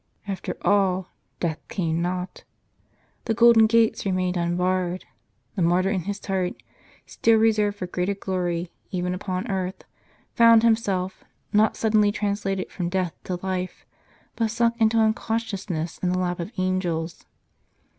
After all, death came not; the golden gates remained unbarred; the martyr in heart, still reserved for greater glory even upon earth, found himself, not suddenly translated from death to life, but sunk into unconsciousness in the lap of angels.